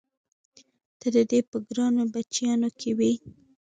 ته د دې په ګرانو بچیانو کې وې؟